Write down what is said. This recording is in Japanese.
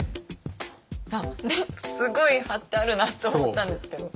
何かすごい貼ってあるなって思ったんですけど。